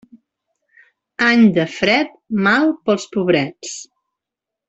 Any de fred, mal pels pobrets.